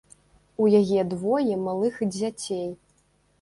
У яе двое малых дзяцей.